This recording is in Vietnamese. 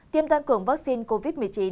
tiêm tăng cường vắc xin covid một mươi chín